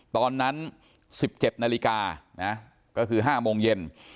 ตอนนั้นสิบเจ็ดนาฬิกานะก็คือห้าโมงเย็น